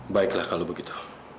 baiklah kalau begitu